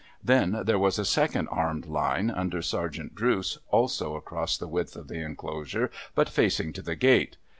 Then, there was a second armed line, under Sergeant Drooce, also across the width of the enclosure, but facing to the gate.